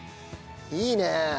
いいねえ！